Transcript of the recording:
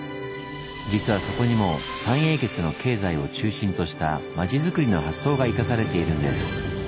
実はそこにも三英傑の経済を中心とした町づくりの発想が生かされているんです。